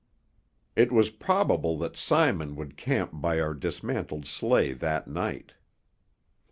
It was probable that Simon would camp by our dismantled sleigh that night.